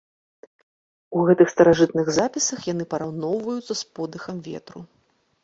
У гэтых старажытных запісах яны параўноўваецца з подыхам ветру.